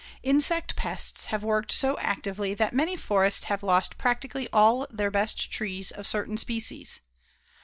Insect pests have worked so actively that many forests have lost practically all their best trees of certain species.